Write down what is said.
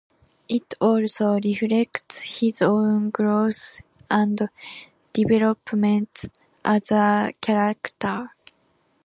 It also reflects his own growth and development as a character.